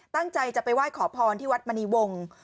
ตั้งใจจะไปไหว้ขอพรที่วัดมณีวงศ์